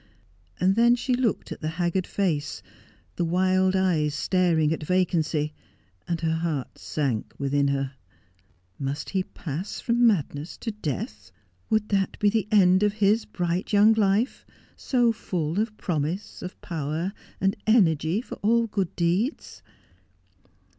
And then she looked at the haggard face, the wild eyes staring at vacancy, and her beart sank within her. Must he pass from madness to death 1 Would that be the end of his bright young life, so full of promise, of power, and energy for all good deeds